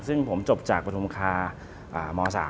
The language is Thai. ซึ่งผมจบจากปฐุมคาม๓